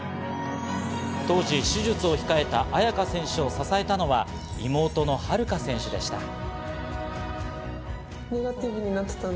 当時、手術を控えた亜矢可選手を支えたのは妹の秦留可選手でした。